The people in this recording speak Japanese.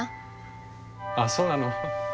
あっそうなの？